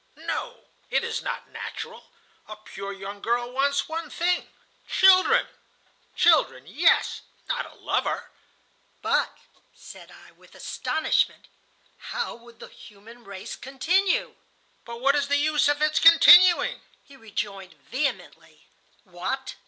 No, it is not natural. A pure young girl wants one thing,—children. Children, yes, not a lover." ... "But," said I, with astonishment, "how would the human race continue?" "But what is the use of its continuing?" he rejoined, vehemently. "What!